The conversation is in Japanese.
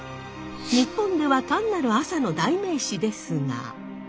日本では単なる朝の代名詞ですが。